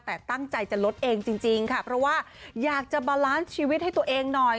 แต่ตั้งใจจะลดเองจริงค่ะเพราะว่าอยากจะบาลานซ์ชีวิตให้ตัวเองหน่อย